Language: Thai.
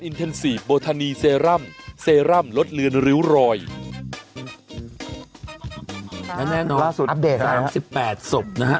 นั้นเนี่ยเนาะล่าสุดอัปเดตครับ๑๘ศพนะฮะ